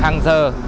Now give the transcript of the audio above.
hàng ngày hàng giờ